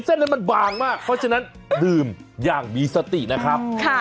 เส้นนั้นมันบางมากเพราะฉะนั้นดื่มอย่างมีสตินะครับ